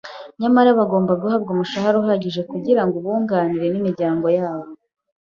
Nyamara bagomba guhabwa umushahara uhagije kugira ngo ubunganire n’imiryango yabo.